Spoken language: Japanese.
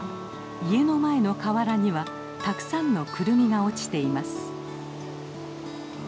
家の前の河原にはたくさんのクルミが落ちています。